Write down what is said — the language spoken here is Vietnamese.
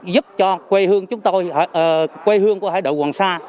giúp cho quê hương chúng tôi quê hương của hải đội hoàng sa